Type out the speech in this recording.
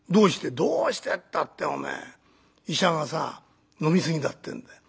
「どうしてったっておめえ医者がさ飲みすぎだって言うんだよ。